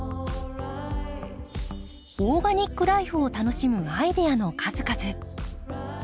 オーガニックライフを楽しむアイデアの数々。